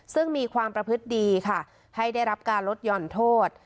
ซึ่งมีความประพฤติดีค่ะให้ได้รับการลดหย่อนโทษ